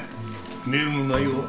メールの内容は？